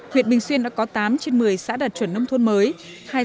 huyện bình xuyên đã có tám trên một mươi xã đạt chuẩn nông thôn mới